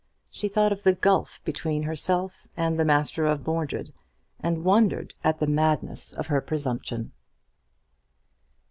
She thought of the gulf between herself and the master of Mordred, and wondered at her madness and presumption.